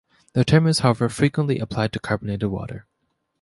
The term is, however, frequently applied to carbonated water.